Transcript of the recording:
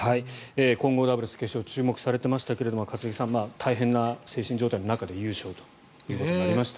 混合ダブルス決勝注目されてましたけれども一茂さん、大変な精神状態の中で優勝となりました。